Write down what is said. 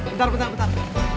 bentar bentar bentar